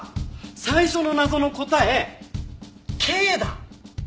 最初の謎の答え「Ｋ」だ！